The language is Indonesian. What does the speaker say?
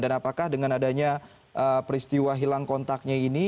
dan apakah dengan adanya peristiwa hilang kontaknya ini